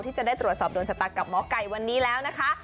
ที่จะได้ตรวจสอบโดนชะตากับหมอไก่วันนี้แล้วนะคะ